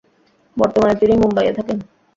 বর্তমানে তিনি মুম্বাই এ থাকেন।